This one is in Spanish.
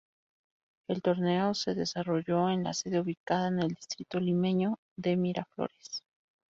El torneo se desarrolló en la sede ubicada en el distrito limeño de Miraflores.